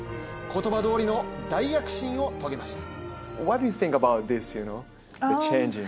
言葉どおりの大躍進を遂げました